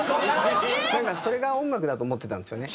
それが音楽だと思ってたんですよね。